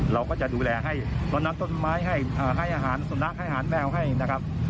เราก็จะดูแลให้ตอนนั้นต้นไม้ให้เอ่อให้อาหารสนับให้อาหารแม่งให้นะครับ